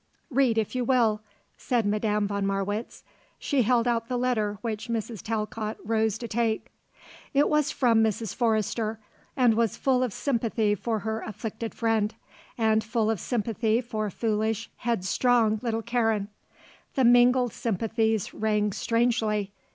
"Read if you will," said Madame von Marwitz. She held out the letter which Mrs. Talcott rose to take. It was from Mrs. Forrester and was full of sympathy for her afflicted friend, and full of sympathy for foolish, headstrong little Karen. The mingled sympathies rang strangely.